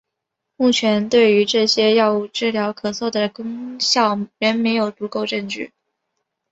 目前对于这些药物治疗咳嗽的功效仍没有足够证据。